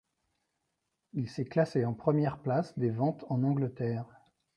Il s’est classé en première place des ventes en Angleterre.